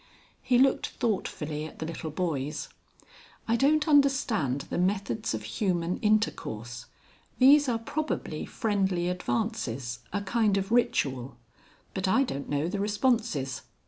He looked thoughtfully at the little boys. "I don't understand the methods of Human intercourse. These are probably friendly advances, a kind of ritual. But I don't know the responses.